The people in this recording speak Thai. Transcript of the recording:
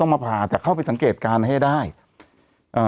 มาผ่าแต่เข้าไปสังเกตการณ์ให้ได้เอ่อ